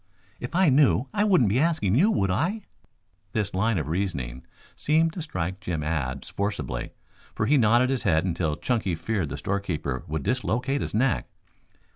"If I knew I wouldn't be asking you, would I?" This line of reasoning seemed to strike Jim Abs forcibly, for he nodded his head until Chunky feared the storekeeper would dislocate his neck.